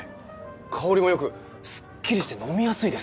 香りも良くすっきりして飲みやすいです。